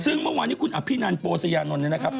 ซึ่งเมื่อวานนี้คุณอภินันโปสยานนท์เนี่ยนะครับ